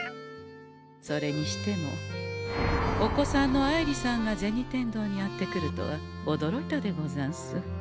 それにしてもお子さんの愛梨さんが銭天堂にやって来るとはおどろいたでござんす。